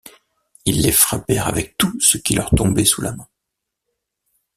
Ils les frappèrent avec tout ce qui leur tombait sous la main.